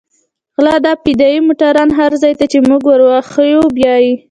غله دغه فدايي موټران هر ځاى ته چې موږ وروښيو بيايي.